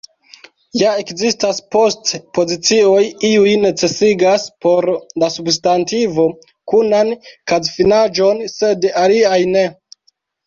Ja ekzistas post-pozicioj; iuj necesigas por la substantivo kunan kazfinaĵon, sed aliaj ne.